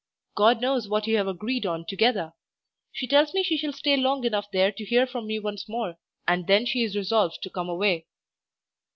God knows what you have agreed on together. She tells me she shall stay long enough there to hear from me once more, and then she is resolved to come away.